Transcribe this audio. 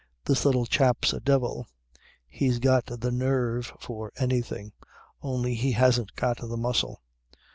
That little chap's a devil. He's got the nerve for anything, only he hasn't got the muscle.